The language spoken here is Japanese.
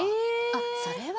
あっそれは。